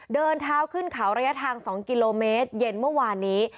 เดินเท้าขึ้นเขาระยะทาง๒กิโลเมตรเย็นเมื่อวานนี้